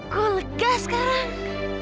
gue lega sekarang